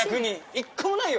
１個もないよ。